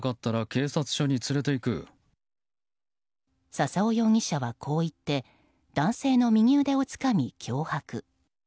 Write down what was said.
笹尾容疑者はこう言って男性の右腕をつかみ、脅迫。